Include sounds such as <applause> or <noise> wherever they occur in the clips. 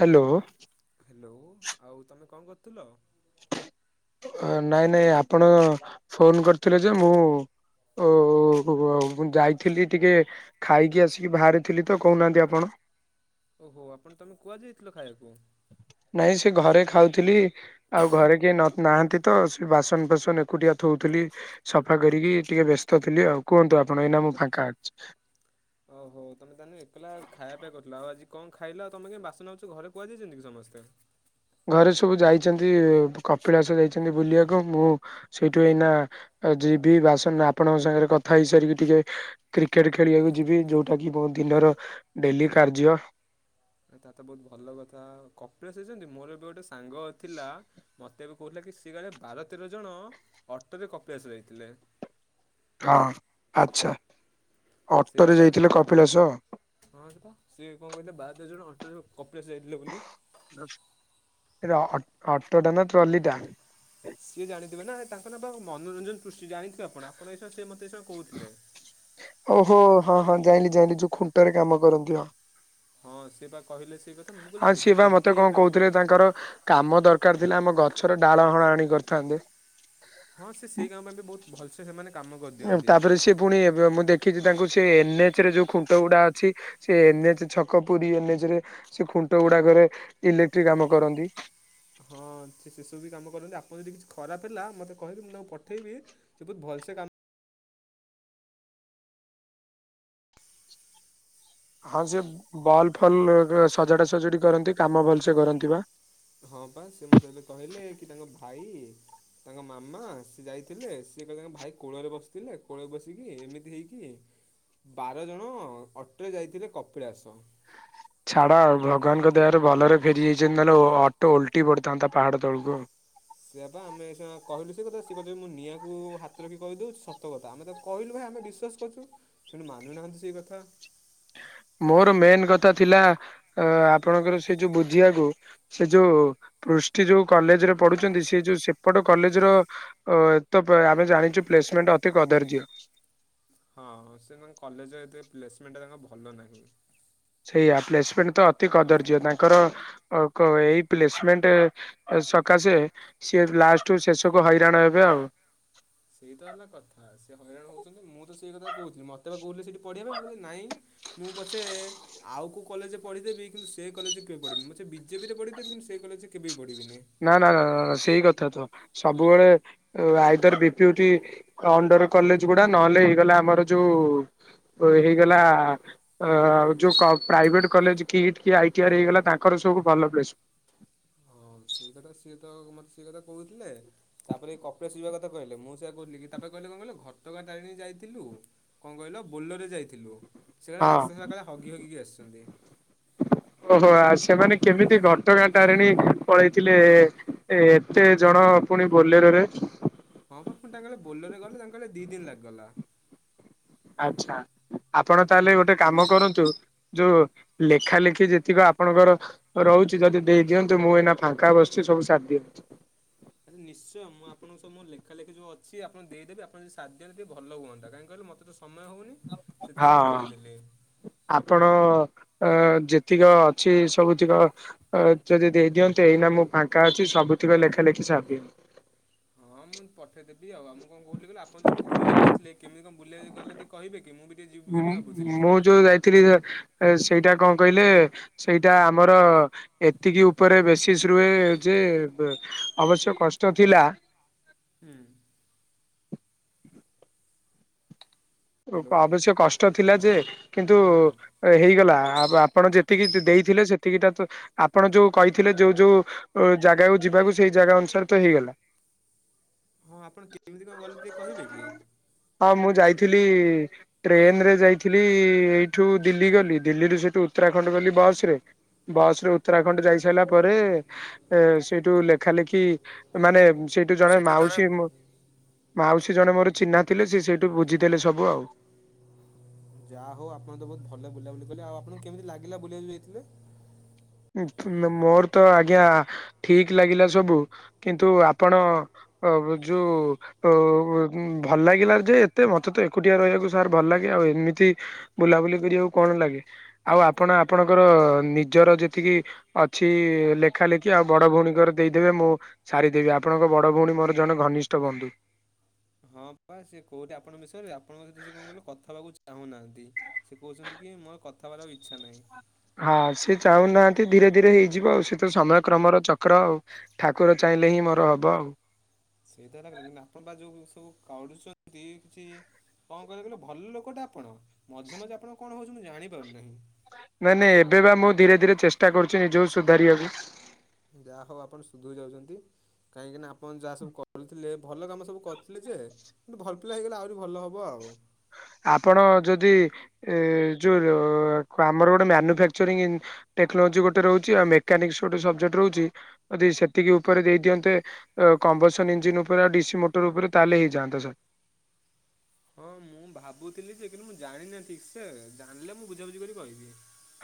Hello. Hello, ଆଉ ତମେ କଣ କରୁଥିଲ? ନାଇଁ ନାଇଁ ଆପଣ ଫୋନ କରିଥିଲେ, ଯେ ମୁଁ ଓ-ଓ-ଓ ଆଉ, ମୁଁ ଯାଇଥିଲି ଟିକେ ଖାଇକି ଆସିକି ବାହାରେଥିଲି ତ, କହୁନାହାଁନ୍ତି ଆପଣ। ଓହୋ! ଆପଣ ତମେ କୁଆଯାଇଥିଲ ଖାଇଆକୁ? ନାଇଁ ସେ ଘରେ ଖାଉଥିଲି। ଆଉ ଘରେ କିଏ ନ ନାହାଁନ୍ତି। ତ ସେ ବାସନ ଫାସନ ଏକୁଟିଆ ଥଉଥିଲି। ସଫା କରିକି ଟିକେ, ବ୍ୟସ୍ତ ଥିଲି ଆଉ। କୁହନ୍ତୁ ଆପଣ, ଏଇନା ମୁଁ ଫାଙ୍କା ଅଛି। ଓହୋ! ତମେ ତାହେନେ ଏକଲା ଖାଇବା ପିଆ କରୁଥିଲ। ଆଉ, ଆଜି କଣ ଖାଇଲ? ତମେ କାଇଁ, ବାସନାଉଚ ଘରେ କୁଆ ଯାଇଛନ୍ତି କି ସମସ୍ତେ? ଘରେ ସବୁ ଯାଇଛନ୍ତି, କପିଳାସ ଯାଇଛନ୍ତି, ବୁଲିବାକୁ ମୁଁ ସେଇଠୁ ଏଇନା ଯିବି। ବାସନ ଆପଣଙ୍କ ସାଙ୍ଗରେ କଥା ହେଇସାରିକି ଟିକେ କ୍ରିକେଟ୍ ଖେଳିବାକୁ ଯିବି। ଯୋଉଟା କି ମୋ ଦିନର ଡେଲି କାର୍ଯ୍ୟ। ତା ତ ବହୁତ ଭଲ କଥା। କପିଳାସ ଯାଇଛନ୍ତି, ମୋର ଏବେ ଗୋଟେ ସାଙ୍ଗ ଥିଲା ମତେ ଏ ବି କହୁଥିଲା କି, ସିଏ କାଳେ ବାର ତେର ଜଣ ଅଟରେ କପିଆସ ଯାଇଥିଲେ। ହଁ, ଆଚ୍ଛା! ସେଇଆ ଅଟୋରେ ପା ଯାଇଥିଲେ କପିଳାସ? ହଁ, ପା ସିଏ କଣ କହିଲେ, ବାର ତେର ଜଣ ଅଟରେ କପିଳାସ ଯାଇଥିଲେ ବୋଲି? ଇରେ ଅ-ଅଟୋ ଟା ନା ଟ୍ରଲି ଟା? ସିଏ ଜାଣିଥିବେ ନା! ତାଙ୍କ ନାଁ ପା ମନୋରଞ୍ଜନ୍ ପୃଷ୍ଟି। ଜାଣିଥିବେ ଆପଣ? ଆପଣ ଏଇସୟ ସେ ମତେ ଏଇସ କହୁଥିଲେ। ଓହୋ! ହଁ ହଁ ଯାଇଁଲିି ଯାଇଁଲି, ଯୋଉ ଖୁଣ୍ଟରେ କାମ କରନ୍ତି। ହଁ, ହଁ, ସେ ପା କହିଲେ, ସେଇ କଥା। ମୁଁ କହିଲି ସେତା କେମିତି ହେଇପାରିବ? ଙ୍କର। କାମ ଦରକାର ଥିଲା। ଆମ ଗଛର ଡାଳ ହଣାହାଣି କରିଥାନ୍ତେ। ହଁ, ସେ ସେହି କାମ ପାଇଁ ବି ବହୁତ ଭଲସେ, ସେମାନେ କାମ କରିଦିଅନ୍ତି। ପୁଣିଏବେ ମୁଁ ଦେଖିଛି, ତାଙ୍କୁ ସେ ଏନ୍ ଏଚ୍ ରେ ଯୋଉ ଖୁଣ୍ଟ ଗୁଡ଼ା ଅଛି ସେ ଏନ୍ ଏଚ୍ ଛକ, ପୁରୀ ଏନ୍ ଏଚ୍ ରେ ସେ ଖୁଣ୍ଟ ଗୁଡାକରେ ଇଲେକ୍ଟ୍ରିକ କାମ କରନ୍ତି। ହଁ, ସେ ସେସବୁ ବି କାମ କରନ୍ତି। ଆପଣ ଯଦି କିଛି ଖରାପ ହେଲା ମତେ କହିବେ, ମୁଁ ତାଙ୍କୁ ପଠେଇବି ସେତ ଭଲ ସେ କାମ ହଁ, ସେ ବଲ୍ ଫଲ୍ ସଜାଡା ସଜଡି କରନ୍ତି। କାମ ଭଲ୍ ସେ କରନ୍ତି ବା। ହଁ ପା ସେ ମତେ କହିଲେ କି ତାଙ୍କ ଭାଇ ତାଙ୍କ ମାମା ସିଏ ଯାଇଥିଲେ ସିଏ କହିଲେ ତାଙ୍କ ଭାଇ କୋଳରେ ବସିଥିଲେ କୋଳରେ ବସିକି ଏମିତି ହେଇକି ବାର ଜଣ ଅଟେରେ ଯାଇଥିଲେ କପିଳାସ। ଛାଡ଼ ଆଉ ଭଗବାନଙ୍କ ଦୟାରୁ ଭଲରେ ଫେରି ଯାଇଛନ୍ତି ନହେଲେ ଅଟୋ ଓଲଟି ପଡ଼ିଥାନ୍ତା ପାହାଡ଼ ତଳକୁ। ସେୟା ପା ଆମେ ସେୟା କହିଲୁ ସେ କଥା ସିଏ କହିବେ ମୁଁ ନିଆଁକୁ ହାତ ରଖି କହିଦେଉଛି ସତ କଥା ଆମେ ତ କହିଲୁ ଭାଇ ଆମେ ବିଶ୍ୱାସ କରୁଛୁ ସେଇଠୁ ମାନୁନାହାନ୍ତି ସେଇ କଥା। ମୋର ମେନ କଥା ଥିଲା ଅ ଆପଣଙ୍କର ସେ ଯୋଉ ବୁଝିବାକୁ ସେ ଯୋଉ ପୃଷ୍ଟି ଯୋଉ କଲେଜରେ ପଢୁଛନ୍ତି ସେ ଯୋଉ ସେପଟ କଲେଜ ର ଓ ଏ ତ ଆମେ ଜାଣିଛୁ ପ୍ଲେସମେଣ୍ଟ ଅତି କଦର୍ଯ୍ୟ। ହଁ ହଁ ସେ ତାଙ୍କ କଲେଜ ଏତେ ପ୍ଲେସମେଣ୍ଟଟା ତାଙ୍କ ଭଲ ନାହିଁ। ସେଇଆ ପ୍ଲେସମେଣ୍ଟ ତ ଅତି କଦର୍ଯ୍ୟ ତାଙ୍କର ଅ କ ଏଇ ପ୍ଲେସମେଣ୍ଟ ସକାଶେ ସିଏ ଲାଷ୍ଟକୁ ଶେଷକୁ ହଇରାଣ ହେବେ ଆଉ। ସେଇ ତ ହେଲା କଥା ସେ ହଇରାଣ ହଉଛନ୍ତି ମୁଁ ତ ସେଇ କଥା କହୁଥିଲି ମୋତେ ବା କହୁଥିଲେ ସେଇଠି ପଢିବା ପାଇଁ ମୁଁ କହୁଥିଲି ନାଇଁ ମୁଁ ପଛେ ଆଉ କୋଉ କଲେରେ ପଢିଦେବି କିନ୍ତୁ ସେ କଲେଜ କେବେ ପଢ଼ିବିନି ମୁଁ ସେ ବିଜେପିରେ ପଢ଼ିଦେବି କିନ୍ତୁ ସେଇ କଲେଜ କେବେବି ପଢ଼ିବିନି? ନା ନା ନା ସେଇ କଥା ତ ସବୁବେଳେ ଆଇଦର ବିପିଉଟି ଅଣ୍ଡର କଲେଜ ଗୁଡା ନହେଲେ ହେଇଗଲା ଆମର ଯୋଉ ହେଇଗଲା ଯୋଉ କ ପ୍ରାଇଭେଟ୍ କଲେଜ କିଟ୍ କି ଆଇଟିଆର୍ ହେଇଗଲା ତାଙ୍କର ସବୁ ଭଲ ପ୍ଲେସ୍ ହଁ ସେଇ କଥା ସିଏ ତ ମୋତେ ସେ କଥା କହୁଥିଲେ। ତାପରେ କପିଳାସ ଯିବା କଥା କହିଲେ ମୁଁ ସେଇଆ କହୁଥିଲି କି ତାପରେ କହିଲେ କଣ କହିଲୁ ଘଟଗାଁ ତାରେଣୀ ଯାଇଥିଲୁ କଣ କହିଲ ବୋଲୋରେ ଯାଇଥିଲୁ ସେ କହିଲେ ହଁ ରାସ୍ତା ସାରା ହଗି ହଗିକି ଆସିଛନ୍ତି। ଓହୋ ଆଉ ସେମାନେ କେମିତି ଘଟଗାଁ ତାରିଣୀ ପଳେଇଥିଲେ ଏ? କେତେ ଜଣ ପୁଣି ବୋଲେରୋରେ? ହଁ ପା ପୁଣି ତାଙ୍କର ବୋଲୋରରେ ଗଲେ ତାଙ୍କ କହିଲେ ଦି ଦିନ ଲାଗିଗଲା। ଆଛା ଆପଣ ତାହେଲେ ଗୋଟେ କାମ କରନ୍ତୁ। ଯୋଉ ଲେଖାଲେଖି ଯେତିକ ଆପଣଙ୍କର ରହୁଛି ଯଦି ଦେଇ ଦିଅନ୍ତୁ ମୁଁ ଏଇନା ଫାଙ୍କା ବସିଛି ସବୁ ସାରି ଦିଏ। ନିଶ୍ଚୟ ମୁଁ ଆପଣଙ୍କ ସହ ମୋ ଲେଖାଲେଖି ଯୋଉ ଅଛି ମୁଁ ଆପଣଙ୍କୁ ଦେଇଦେବି ଆପଣ ଯଦି ସାରିଦିଅନ୍ତେ ଟିକେ ଭଲ ହୁଅନ୍ତା କାହିଁ କିହିଲ ମୋତେ ସମୟ ହଉନି ସେଥିପାଇଁ ମୁଁ ହଁ କହୁଥିଲି। ଆପଣ ଯେତିକ ଅଛି ସବୁତିକ ଅ ଯଦି ଦେଇ ଦିଅନ୍ତେ ଏଇନା ମୁଁ ଫାଙ୍କା ଅଛି ସବୁତିକ ଲେଖାଲେଖି ସାରିଦିଏ। ହଁ ମୁଁ ପଠେଇଦେବି ଆଉ ମୁଁ କଣ କହୁଥିଲି କହିଲ ଆପଣ ଯୋଉ ଏବେ ବୁଲିବାକୁ ଯାଇଥିଲେ କେମିତି କଣ ବୁଲିବାକୁ ଗଲେ ଟିକେ କହିବେ କି ମୁଁ ବି ଟିକେ ଯିବି ମୁଁ ବୋଲି ଭାବୁଥିଲି। ମୁଁ <inaudible> ସେଇଟା କଣ କହିଲେ ସେଇଟା ଆମର ଏତିକି ଉପରେ ବେଶିଶ ରୁହେ ଯେ ଅବଶ୍ୟ କଷ୍ଟ ଥିଲା। ହୁଁ। ହ୍ୟାଲୋ। ଅବଶ୍ୟ କଷ୍ଟ ଥିଲା ଯେ କିନ୍ତୁ ହଁ ହେଇଗଲା ଆପଣ ଯେତିକି ଦେଇଥିଲେ ସେତିକିଟା ତ ଆପଣ ଯୋଉ କହିଥିଲେ ଯୋଉ ଯୋଉ ଯାଗାକୁ ଯିବାକୁ ସେଇ ଯାଗା ଅନୁସାରେ ତ ହେଇଗଲା। ହଁ ଆପଣ କେମିତି କଣ ଗଲେ ଟିକେ କହିବେ କି? ହଁ ମୁଁ ଯାଇଥିଲି ଟ୍ରେନରେ ଯାଇଥିଲି ଏଇଠୁ ଦିଲ୍ଲୀ ଗଲି ଦିଲ୍ଲୀରୁ ସେଇଠୁ ଉତ୍ତରାଖଣ୍ଡ ଗଲି ବସରେ। ବସରେ ଉତ୍ତରାଖଣ୍ଡ ଯାଇସାରିଲା ପରେ ଏ ସେଇଠୁ ଲେଖାଲେଖି ମାନେ ସେଇଠୁ ଜଣେ ମାଉସୀ ମାଉସୀ ଜଣେ ମୋର ଚିହ୍ନା ଥିଲେ ସେ ସେଇଠୁ ବୁଝିଦେଲେ ସବୁ ଆଉ। ଯାହା ହଉ ଆପଣ ତ ବହୁତ ଭଲ ବୁଲାବୁଲି କଲେ ଆଉ ଆପଙ୍କୁ କେମିତି ଲାଗିଲା ବୁଲିବାକୁ ଯୋଉ ଯାଇଥିଲେ? ମୋର ତ ଆଜ୍ଞା ଠିକ ଲାଗିଲା ସବୁ କିନ୍ତୁ ଆପଣ ଆ ଯୋଉ ତ ଭଲ ଲାଗିଲାର ଯେ ଏତେ ମତେ ତ ଏକୁଟିଆ ରହିବାକୁ ସାର୍ ଭଲ ଲାଗେ ଆଉ ଏମିତି ବୁଲାବୁଲି କରିବାକୁ କଣ ଲାଗେ ଆଉ ଆପଣ ଆପଣଙ୍କର ନିଜର ଯେ ତିକି ଅଛି ଲେଖାଲେଖି ଆଉ ବଡ ଭଉଣୀଙ୍କର ଦେଇଦେବେ ମୁଁ ସାରିଦେବି ଆପଣଙ୍କ ବଡ ଭଉଣୀ ମୋର ଜଣେ ଘନିଷ୍ଠ ବନ୍ଧୁ। ହଁ ପା ସେ କୋଉଥି ଆପଣଙ୍କ ବିଷୟରେ ଆପଣଙ୍କ ସହିତ ସେ କଣ କହିଲ କଥା ହେବାକୁ ଚାହୁଁନାହାନ୍ତି। ସେ କହୁଛନ୍ତି କି ମୋର ଆଉ କଥାହେବାରେ ଆଉ ଇଚ୍ଛା ନାହିଁ। ହଁ ସେ ଚାହୁଁନାହାନ୍ତି ଧୀରେ ଧୀରେ ହେଇଯିବ ଆଉ ସେ ତ ସମୟକ୍ରମର ଚକ୍ର ଆଉ। ଠାକୁର ଚାହିଁଲେ ହିଁ ମୋର ହବ ଆଉ। ସେଇତ ହେଲା <unintelligible> କିୁ ଆପଣ ବା ଯୋଉ ସବୁ କରୁଚନ୍ତି କିଛି କଣ କହିଲେ କଲୁ ଭଲ ଲୋକଟା ଆପଣ ମଝିରେ ମଝିରେ ଆପଣଙ୍କ କଣ ହଉଚି ମୁଁ ଜାଣିପାରୁନାହିଁ। ନାଇଁ ନାଇଁ ଏବେ ବା ମୁଁ ଧୀରେ ଧୀରେ ଚେଷ୍ଟା କରୁଛି ନିଜକୁ ସୁଧାରିବାକୁ। ଯାହା ହଉ ଆପଣ ସୁଧୁରି ଯାଉଛନ୍ତି କାହିଁକିନା ଆପଣ ଯାହା ସବୁ କରୁଥିଲେ ଭଲ କାମ ସବୁ କରିଥିଲେ ଯେ କିନ୍ତୁ ଭଲ ପିଲା ହେଇଗଲେ ଆହୁରି ଭଲ ହବ ଆଉ। ଆପଣ ଯଦି ଏ ଯୋଉ ଆମର ଗୋଟେ ମାନୁଫାକ୍ଚରିଂ ଟେକ୍ନୋଲୋଜି ଗୋଟେ ରହୁଚି ଆଉ ମେକାନିକ୍ସ ଗୋଟେ ସବଜେକ୍ଟ ରହୁଚି ଯଦି ସେତିକି ଉପରେ ଦେଇ ଦିଅନ୍ତେ କମ୍ବସନ ଇଞ୍ଜିନ ଉପରେ ଆଉ ଡିସି ମୋଟର ଉପରେ ତାହେଲେ ହେଇଯାନ୍ତା ସାର୍। ହଁ ମୁଁ ଭାବୁଥିଲି ଯେ କିନ୍ତୁ ମୁଁ ଜାଣିନି ଠିକ ସେ ଜାଣିଲେ ମୁଁ ବୁଝାବୁଝି କରି କହିବି।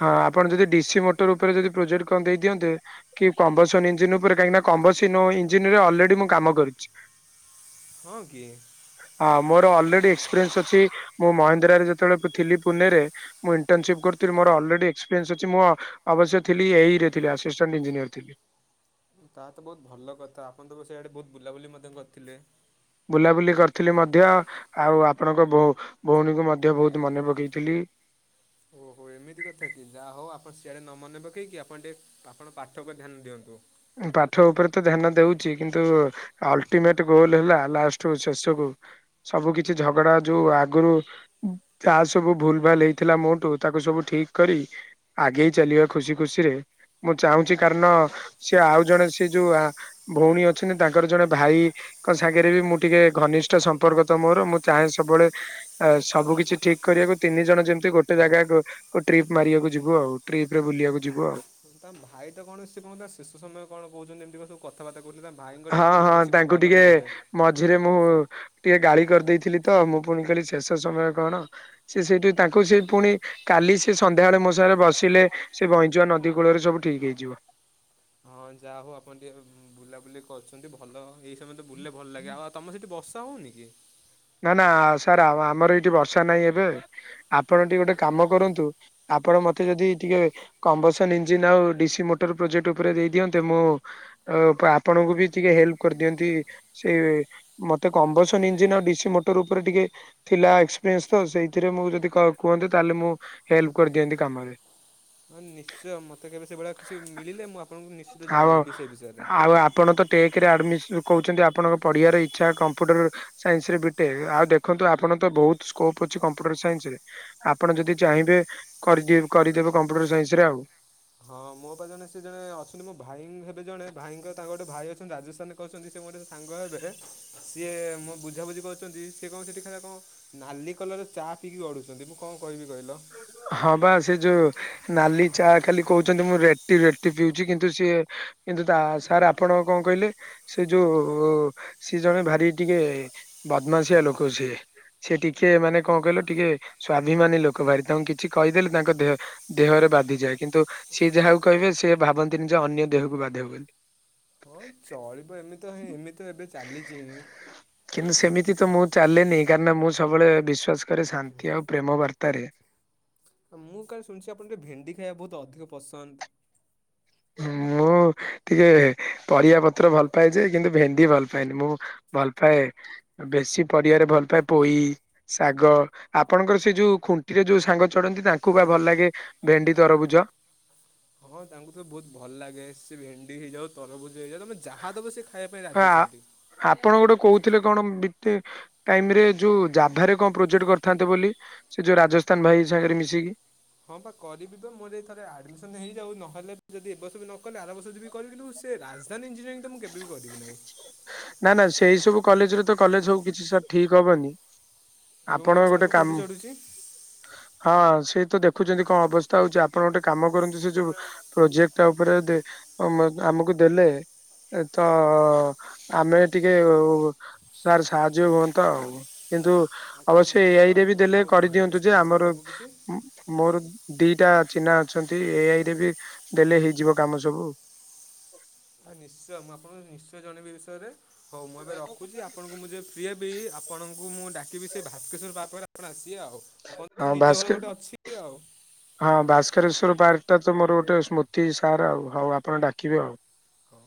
ହଁ ଆପଣ ଯଦି ଡିସି ମୋଟର ଉପରେ ଯଦି ପ୍ରୋଜେକ୍ଟ କଣ ଦେଇ ଦିଅନ୍ତେ କି କମ୍ବସନ ଇଞ୍ଜିିନ ଉପରେ କାହିଁକିନା କମ୍ବସିନ ଇଞ୍ଜିିନରେ ଅଲରେଡି ମୁଁ କାମ କରିଛି। ହଁ କି। ହଁ ମୋର ଅଲରେଡି ଏକ୍ସପିରିଏନ୍ସ ଅଛି ମୁଁ ମହେନ୍ଦ୍ରାରେ ଯେତେବେଳେ ଥିଲି ପୁନେରେ ମୁଁ ଇଣ୍ଟନସିପ କରିଥିଲି ମୋର ଅଲରେଡି ଏକ୍ସପିରିଏନ୍ସ ଅଛି ମୁଁ ଅବଶ୍ୟ ଥିଲି ଏଇରେ ଥିଲି ଆସିଷ୍ଟାଣ୍ ଇ୍ଜିନିୟର ଥିଲି। ତାହା ତ ବୋହୁତ ଭଲ କଥା ଆପଣ ତ ସେଇଆଡେ ବୋହୁତ ବୁଲାବୁଲି ମଧ୍ୟ କରିଥିଲେ। ବୁଲାବୁଲି କରିଥିଲି ମଧ୍ୟ ଆଉ ଆପଣଙ୍କ ଭଉ ଭଉଣୀଙ୍କୁ ମଧ୍ୟ ବୋହୁତ ମନେ ପକେଇଥିଲି। ଓ ହୋ ଏମିତି କଥା କି ଯାହା ହଉ ଆପଣ ସିଆଡ଼େ ନ ମନେ ପକେଇ କି ଆପଣ ଟିକିଏ ଆପଣ ପାଠକୁ ଧ୍ୟାନ ଦିଅନ୍ତୁ। ପାଠ ଉପରେ ତ ଧ୍ୟାନ ଦଉଚି କିନ୍ତୁ। ଅଲଟିମେଟ ଗୋଲ ହେଲା ଲାଷ୍ଟ ଶେଷ କୁ ସବୁ କିଛି ଝଗଡା ଯୋଉ ଆଗରୁ ଯାହା ସବୁ ଭୁଲ ଭାଲ ହେଇଥିଲା ମୋଠୁ ତାକୁ ସବୁ ଠିକ କରି‌। ଆଗେଇ ଚାଲିବା ଖୁସି ଖୁସିରେ ମୁଁ ଚାହୁଁଚି କାରଣ। ସେ ଆଉ ଜଣେ ସେ ଯୋଉ ଆଉ ଭଉଣୀ ଅଛନ୍ତି ତାଙ୍କର ଜଣେ ଭାଇ। କ ସାଙ୍ଗରେ ବି ମୁଁ ଟିକେ ଘନିଷ୍ଠ ସମ୍ପର୍କ ତ ମୋର ମୁଁ ଚାହେଁ ସବୁବେଳେ ଆ ସବୁ କିଛି ଠିକ କରିବାକୁ ତିନି ଜଣ ଯେମିତି ଗୋଟେ ଜାଗାକୁ। କୋ ଟ୍ରିପ ମାରିବାକୁ ଯିବୁ ଆଉ ଟ୍ରିପପ ରେ ବୁଲିବାକୁ ଯିବୁ ଆଉ। ତା ଭାଇ ତ କଣ ସେ ଶେଷ ସମୟ କଣ କହୁଛନ୍ତି ଏମିତି ସବୁ। କଥାବାର୍ତ୍ତା <unintelligible> ତା ଭାଇଙ୍କ ହଁ ଟିକେ ହଁ ମାନସିକ ତାଙ୍କୁ ଭଲ ଟିକେ ନହିଁ ବୋଧେ। ମଝିରେ ମୁଁ ଟିକେ ଗାଳି କରିଦେଇଥିଲି ତ ମୁଁ ପୁଣି କହିଲି ଶେଷ ସମୟ କଣ। ସେ ସେଇଠି ତାଙ୍କୁ ସେ ପୁଣି। କାଲି ସେ ସନ୍ଧ୍ୟାବେଳେ ମୋ ସାଙ୍ଗରେ ବସିଲେ ସେ ବଇଁଚୁଆ ନଦୀ କୂଳରେ ସବୁ ଠିକ ହେଇଯିବ। ହଁ ଯାହା ହଉ ଆପଣ ଟିକେ ବୁଲାବୁଲି କରୁଛନ୍ତି ଭଲ ଏଇ ସମୟ ତ ବୁଲଲେେ ଭଲ ଲାଗେ ଆଉ। ତମ ସେଇଠି ବସା ହଉନି କି। ନା ନା ସାର୍ ଆମର ଏଇଠି ବର୍ଷା ନାହିଁ ଏବେ ଆପଣ ଟିକେ ଗୋଟେ କାମ କରନ୍ତୁ। ଆପଣ ମତେ ଯଦି ଟିକେ କମ୍ବସନ ଇଞ୍ଜିିନ ଆଉ ଡିସି ମୋଟର ପ୍ରୋଜେକ୍ଟ ଉପରେ ଦେଇ ଦିଅନ୍ତେ ମୁଁ। ଆଉ ଆପଣଙ୍କୁ ବି ଟିକେ ହେଲ୍ପ କରିଦିଅନ୍ତି। ସେଇ ମତେ କମ୍ବସନ ଇଞ୍ଜିିନ ଆଉ ଡିସି ମୋଟର ଉପରେ ଟିକେ। ଥିଲା ଏକ୍ସପିରିଏନ୍ସ ତ ସେଇଥିରେ ମୁଁ ଯଦି କୁହନ୍ତି ତାହେଲେ ମୁଁ ହେଲପ କରିଦିଅନ୍ତି କାମରେ‌। ହଁ ନିଶ୍ଚୟ ମତେ କେବେ ସେଭଳିଆ କିଛି ମିଳିଲେ ମୁଁ ଆପଣଙ୍କୁ ନିଶ୍ଚିତ ଆଉ ଜଣେଇବି ସେ ବିଷୟରେ। ଆଉ ଆପଣ ତ ଟେକରେ ଆଡମିଶନ୍ କହୁଛନ୍ତି ଆପଣଙ୍କ ପଢିବାର ଇଚ୍ଛା କମ୍ପ୍ୟୁଟର। ସାଇନ୍ସ ରେ ବିଟେକ ଆଉ ଦେଖନ୍ତୁ ଆପଣ ତ ବୋହୁତ ସ୍କୋପ ଅଛି କମ୍ପ୍ୟୁଟର ସାଇନ୍ସ ରେ‌। ଆପଣ ଯଦି ଚାହିଁବେ କରିଦ କରିଦେବେ କମ୍ପ୍ୟୁଟର ସାଇନ୍ସ ରେ ଆଉ। ହଁ ମୋ ପାଖ ଜଣେ ସେ ଜଣେ ଅଛନ୍ତି ମୋ ଭାଇ ହେବେ ଜଣେ ଭାଇଙ୍କର ତାଙ୍କ ଗୋଟେ ଭାଇ ଅଛନ୍ତି ରାଜସ୍ଥାନ। କହୁଛନ୍ତି ସେ ମୋର ସାଙ୍ଗ ହେବେ ସିଏ ମୋ ବୁଝାବୁଝି କରୁଛନ୍ତି ସିଏ କଣ ସେଠି ଖଲା କଣ। ନାଲି କଲର ଚା ପିଇକି ଗଢ଼ୁଛନ୍ତି ମୁଁ କଣ କହିବି କହିଲ? ହଁ ବା ସେ ଯୋଉ ନାଲି ଚା ଖାଲି କହୁଛନ୍ତି ମୁଁ ରେଟି ରେଟି ପିଉଛି କିନ୍ତୁ ସିଏ କିନ୍ତୁ ତା ସାର୍ ଆପଣ କଣ କହିଲେ? ସେ ଯୋଉ ସିଏ ଜଣେ ଭାରି ଟିକେ ବଦମାସିଆ ଲୋକ ସିଏ। ସେ ଟିକେ ମାନେ କଣ କହିଲ ଟିକେ ସ୍ଵାଭିମାନୀ ଲୋକ ବାହାରି ତାଙ୍କୁ କିଛି କହିଦେଲେ ତାଙ୍କ ଦେହ ଦେହରେ ବାଧିଯାଏ କିନ୍ତୁ ସିଏ ଯାହାକୁ କହିବେ ସେ ଭାବନ୍ତିନି ଯେ ଅନ୍ୟ ଦେହକୁ ବାଧେ ବୋଲି। ହଁ ଚଳିବ ଏମିତି ତ ହଁ ଏମିତି ଏବେ ଚାଲିଛିି ହିଁ। କିନ୍ତୁ ସେମିତି ତ ମୁଁ ଚାଲେନି କାରଣ ନା ମୁଁ ସବୁବେଳେ ବିଶ୍ଵାସ କରେ ଶାନ୍ତି ଆଉ ପ୍ରେମ ବାର୍ତ୍ତାରେ। ମୁଁ କାଳେ ଶୁଣିଛି ଆପଣ ଟିକେ ଭେଣ୍ଡି ଖାଇବା ବହୁତ ଅଧିକ ପସନ୍ଦ? ମୁଁ ଟିକେ ପରିବା ପତ୍ର ଭଲ ପାଏ ଯେ କିନ୍ତୁ ଭେଣ୍ଡି ଭଲ ପାଏନି ମୁଁ ଭଲ ପାଏ। ବେଶୀ ପାରିବାରେ ଭଲ ପାଏ ପୋଇ। ଶାଗ ଆପଣଙ୍କର ସେ ଯୋଉ ଖୁଣ୍ଟିରେ ଯୋଉ ସାଙ୍ଗ ଚଢନ୍ତି ତାଙ୍କୁ ବା ଭଲ ଲାଗେ ଭେଣ୍ଡି ତରଭୁଜ। ହଁ ତାଙ୍କୁ ତ ବହୁତ ଭଲ ଲାଗେ ସେ ଭେଣ୍ଡି ହେଇଯାଉ ତରଭୁଜ ହେଇଯାଉ ତମେ ଯାହା ଦେବ ସେ ଖାଇବା ପାଇଁ ଆ ରାଜି ଅଛନ୍ତି। ଆପଣ ଗୋଟେ କହୁଥିଲେ କଣ ବିତେ ଟାଇମ ରେ ଯୋଉ ଜାଭାରେ କଣ ପ୍ରୋଜେକ୍ଟ କରିଥାନ୍ତେ ବୋଲି ସେ ଯୋଉ ରାଜସ୍ଥାନ ଭାଇ ସାଙ୍ଗରେ ମିଶିକି? ହଁ ବା କରିବି ବା ମୋର ଏଥରେ ଆଡମିସନ ହେଇଯାଉ ନହଲେ ଯଦି ଏବର୍ଷ ନ କଲେ ଆର ବର୍ଷ ଯିବି କରିବି କିନ୍ତୁ ସେ ରାଜଧାନୀ ଇଞ୍ଜିନିୟରିଂଙ୍ଗ ତ ମୁଁ କେବେ ବି କରିବି ନାହିଁ। ନା ନା ସେଇ ସବୁ କଲେଜରେ ତ କଲେଜ ସବୁ କିଛି ସାର୍ ଠିକ ହବନି। ଏବେ ମୁଁ ଆପଣ ଗୋଟେ ସାଙ୍ଗ କାମ ଖୁଣ୍ଟି ଚଢୁଛି। ହଁ ସେ ତ ଦେଖୁଛନ୍ତି କଣ ଅବସ୍ଥା ହଉଛି ଆପଣ ଗୋଟେ କାମ କରନ୍ତୁ ସେ ଯୋଉ ପ୍ରୋଜେକ୍ଟ ଟା ଉପରେ ଦେ ଆ ଆମ ଆମକୁ ଦେଲେ ତ ଆମେ ଟିକେ ଉ ସାର୍ ସାହାଯ୍ୟ ହୁଅନ୍ତା ଆଉ କିନ୍ତୁ ଆଉ ତାହେଲେ ଅବଶ୍ୟ ଏ ନିଶ୍ଚୟ ଆଇ ରେ ବି ମୁଁ ଦେଲେ ଆପଣଙ୍କୁ ଜଣେଇବି କରିଦିଅନ୍ତୁ ସେଇ ଯେ ବିଷୟରେ ଆମର ସବୁ କିଛି। ଉଁ ମୋର ଦିଟା ଚିହ୍ନା ଅଛନ୍ତି ଏଆଇ ରେ ବି ଦେଲେ ହେଇଯିବ କାମ ସବୁ। ଆରେ ନିଶ୍ଚୟ ମୁଁ ଆପଣଙ୍କୁ ନିଶ୍ଚୟ ଜଣେଇବି ଏ ବିଷୟରେ ହଉ ମୁଁ ଏବେ ରଖୁଛି ଆଉ ଆପଣଙ୍କୁ ମୁଁ ଯେବେ ଫ୍ରି ହେବି ଆପଣଙ୍କୁ ମୁଁ ଡାକିବି ସେ ଭାସ୍କର ବାବର ଆସିବେ ଆଉ। ଆପଣଙ୍କ ହଁ ତ ନିଜ ଭାସ୍କ ଘରେ ଅଛି ଆଉ। ହଁ ଭାସ୍କରେଶ୍ଵର ପାର୍କଟା ତ ମୋର ଗୋଟେ ସ୍ମୃତି ସାର୍ ଆଉ ହଉ ଆପଣ ଡାକିବେ ଆଉ। ହଉ।